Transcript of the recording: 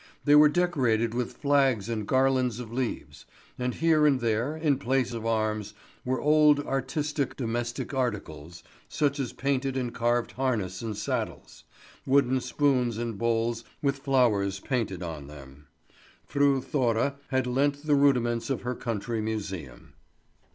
They were decorated with flags and garlands of leaves; and here and there, in place of arms, were old, artistic, domestic articles, such as painted and carved harness and saddles, wooden spoons and bowls with flowers painted on them. Fru Thora had lent the rudiments of her country museum.